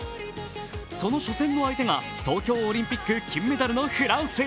その初戦の相手が東京オリンピック金メダルのフランス。